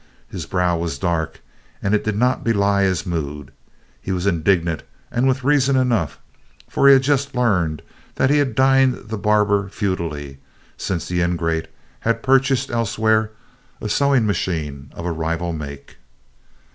His brow was dark and it did not belie his mood. He was indignant, and with reason enough, for he had just learned that he had dined the barber futilely, since the ingrate had purchased elsewhere a sewing machine of a rival make.